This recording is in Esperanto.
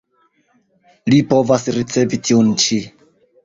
Li povas ricevi tiun ĉi.